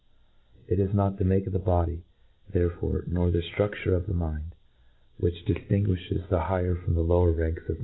It is not the make qf the body, there fore, nor the ftrufture of the mind, which di ftinguifhes the higher from the lower ranks of mankind.